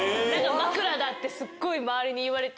枕だってすっごい周りに言われて。